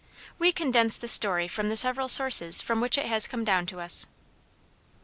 We condense the story from the several sources from which it has come down to us.